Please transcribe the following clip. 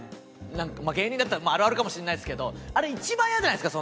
芸人だったらあるあるかもしれないですけどあれ一番イヤじゃないですか。